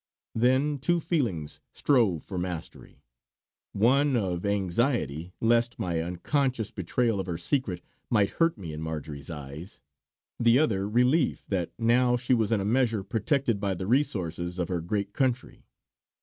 Then two feelings strove for mastery; one of anxiety lest my unconscious betrayal of her secret might hurt me in Marjory's eyes, the other relief that now she was in a measure protected by the resources of her great country.